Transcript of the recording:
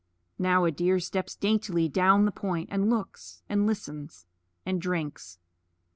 Now a deer steps daintily down the point, and looks, and listens, and drinks.